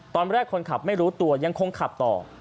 ตอนแรกคนขับไม่รู้ตัวยังคงขับต่อ